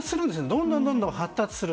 どんどん発達する。